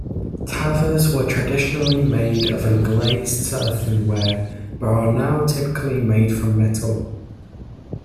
Tavas were traditionally made of unglazed earthenware, but are now typically made from metal.